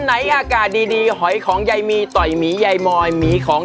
เห้ยคุณใกล้เย็นเดี๋ยวเขาเลยโทร